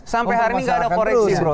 sampai hari ini nggak ada koleksi bro